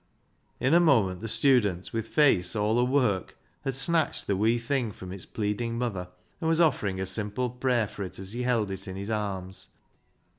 In a moment the student, with face all awork, had snatched the wee thing from its pleading mother, and was offering a simple prayer for it as he held it in his arms.